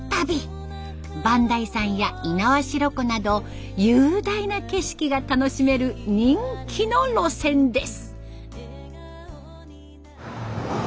磐梯山や猪苗代湖など雄大な景色が楽しめる人気の路線です。